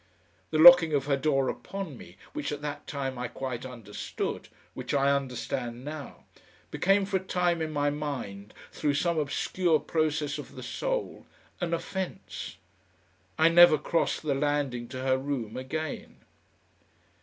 The locking of her door upon me, which at that time I quite understood, which I understand now, became for a time in my mind, through some obscure process of the soul, an offence. I never crossed the landing to her room again.